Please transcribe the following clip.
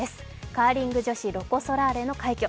カーリング女子ロコ・ソラーレの快挙。